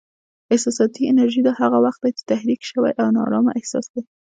احساساتي انرژي: دا هغه وخت دی چې تحریک شوی او نا ارامه احساس دی.